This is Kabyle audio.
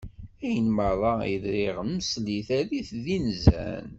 Ayen merra i riɣ msel-it err-it d inzan.